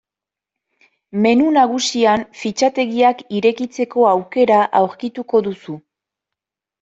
Menu nagusian fitxategiak irekitzeko aukera aurkituko duzu.